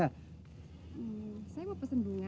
hmm saya mau pesen dulu